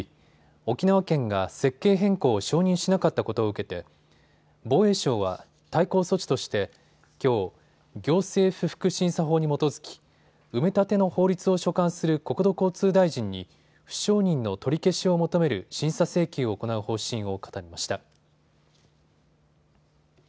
沖縄県が設計変更を承認しなかったことを受けて防衛省は対抗措置としてきょう行政不服審査法に基づき埋め立ての法律を所管する国土交通大臣に、不承認の取り消しを求める審査請求を行う方針を固めました。